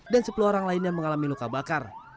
dan sepuluh orang lain yang mengalami luka bakar